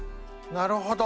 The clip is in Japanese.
なるほど。